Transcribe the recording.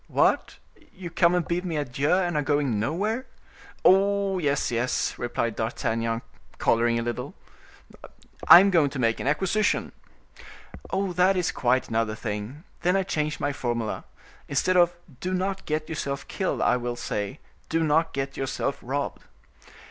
"What! you come and bid me adieu, and are going nowhere?" "Oh! yes, yes," replied D'Artagnan, coloring a little, "I am going to make an acquisition." "That is quite another thing. Then I change my formula. Instead of 'Do not get yourself killed,' I will say,—'Do not get yourself robbed.